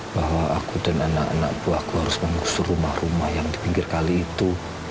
bahwa aku dan anak anak buahku harus mengusur rumah rumah yang di pinggir kali itu